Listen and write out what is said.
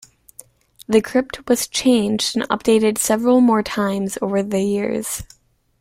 The Crypt was changed and updated several more times over the years.